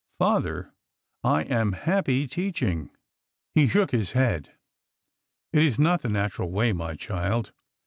Father, I am happy teaching." He shook his head. It is not the natural way, my child.